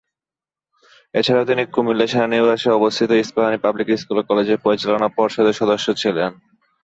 এছাড়াও তিনি কুমিল্লা সেনানিবাসে অবস্থিত ইস্পাহানী পাবলিক স্কুল ও কলেজের পরিচালনা পর্ষদের সদস্য ছিলেন।